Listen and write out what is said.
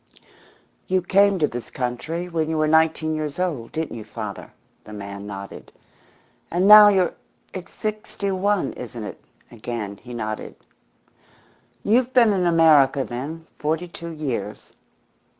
"You came to this country when you were nineteen years old didn't you, father?" The man nodded. "And now you're it's sixty one, isn't it?" Again he nodded. "You've been in America, then, forty two years.